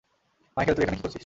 Michael, তুই এখানে কি করছিস?